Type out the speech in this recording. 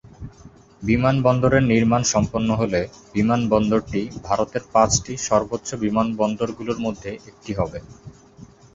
বিমানবন্দরের নির্মাণ সম্পন্ন হলে, বিমানবন্দরটি ভারতের পাঁচটি সর্বোচ্চ বিমানবন্দরগুলির মধ্যে একটি হবে।